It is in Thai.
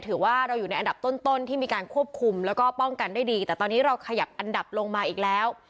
ถือว่าเราอยู่ในอันดับต้นที่มีการควบคุมแล้วก็ป้องกันได้ดีแต่ตอนนี้เราขยับอันดับลงมาอีกแล้ว